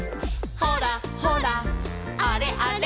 「ほらほらあれあれ」